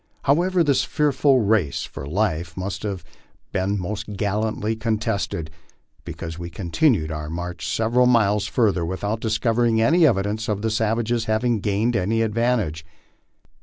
However, this fearful race for life must have been most gallantly contested, because we continued our march sev eral miles further without discovering any evidence of the savages having gained any advantage.